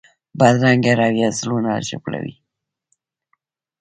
بدرنګه رویه زړونه ژوبلوي